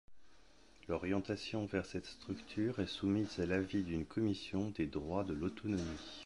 L'orientation vers cette structure est soumise à l'avis d'une commission des droits de l'autonomie.